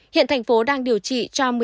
hiện thành phố đang điều trị cho một mươi ba y tế